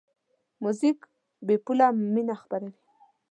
موزیک بېپوله مینه خپروي.